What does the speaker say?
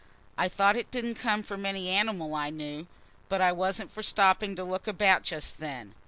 I thought it didn't come from any animal I knew, but I wasn't for stopping to look about just then.